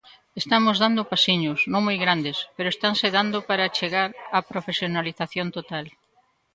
Estamos dando pasiños, non moi grandes, pero estanse dando para chegar á profesionalización total.